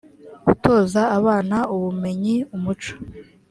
gutoza abana ubumenyi umuco